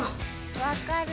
分かる！